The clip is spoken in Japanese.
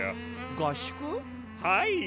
はい。